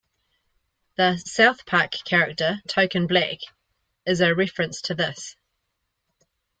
The "South Park" character Token Black is a reference to this.